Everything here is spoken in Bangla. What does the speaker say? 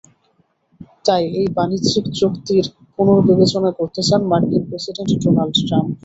তাই এই বাণিজ্যিক চুক্তির পুনর্বিবেচনা করতে চান মার্কিন প্রেসিডেন্ট ডোনাল্ড ট্রাম্প।